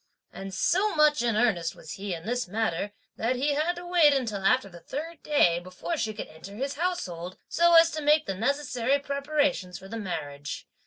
And so much in earnest was he in this matter that he had to wait until after the third day before she could enter his household (so as to make the necessary preparations for the marriage).